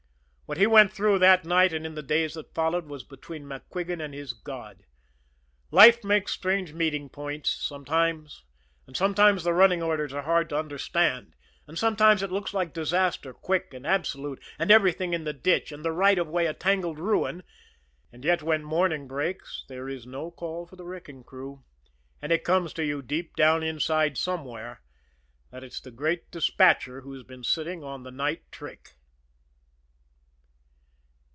What he went through that night and in the days that followed was between MacQuigan and his God. Life makes strange meeting points sometimes, and sometimes the running orders are hard to understand, and sometimes it looks like disaster quick and absolute, with everything in the ditch, and the right of way a tangled ruin and yet when morning breaks there is no call for the wrecking crew, and it comes to you deep down inside somewhere that it's the Great Despatcher who's been sitting in on the night trick.